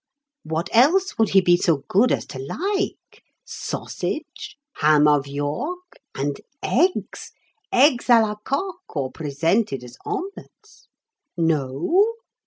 What else would he be so good as to like? Sausage, ham of York, and eggs eggs a la coque or presented as omelettes. No?